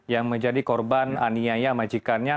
yang menjadi korban aniaya majikannya